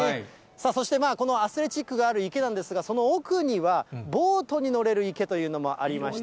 そして、このアスレチックがある池なんですが、その奥には、ボートに乗れる池というのもありました。